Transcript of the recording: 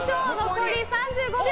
残り３５秒。